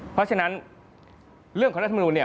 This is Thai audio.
เพราะฉะนั้นเรื่องของรุฑธรรมดูป